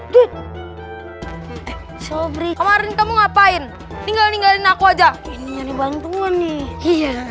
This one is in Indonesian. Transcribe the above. di sobring kemarin kamu ngapain tinggal ninggalin aku aja ini bantuan nih